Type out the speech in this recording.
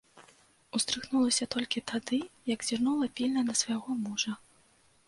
Уздрыгнулася толькі тады, як зірнула пільна на свайго мужа.